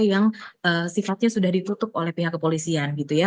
yang sifatnya sudah ditutup oleh pihak kepolisian gitu ya